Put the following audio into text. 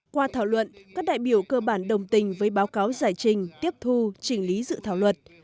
qua thảo luận các đại biểu cơ bản đồng tình với báo cáo giải trình tiếp thu trình lý dự thảo luật